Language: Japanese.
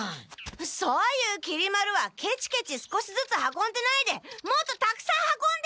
そういうきり丸はケチケチ少しずつ運んでないでもっとたくさん運んでよ！